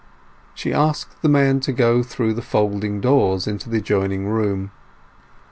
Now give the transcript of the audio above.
She asked the man to go through the folding doors into the adjoining room.